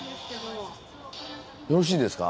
・よろしいですか。